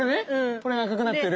これが赤くなってる。